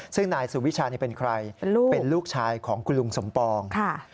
ซึ่งนายสุวิชานี่เป็นใครเป็นลูกชายของคุณลุงสมปอง